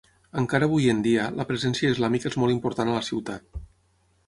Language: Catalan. Encara avui en dia la presència islàmica és molt important a la ciutat.